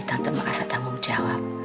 tante makasar tak mau jawab